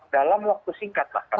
dalam waktu singkat pak